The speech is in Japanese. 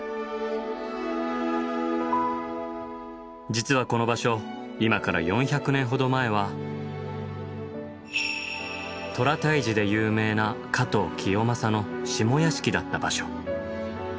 実はこの場所今から４００年ほど前は虎退治で有名な加藤清正の下屋敷だった場所。